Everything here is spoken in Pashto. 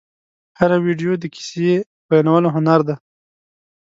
هره ویډیو د کیسې بیانولو هنر دی.